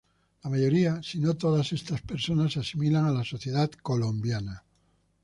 La mayoría si no todas estas personas se asimilan a la sociedad colombiana.